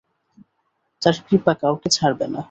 তাঁর কৃপা কাউকে ছাড়বে না।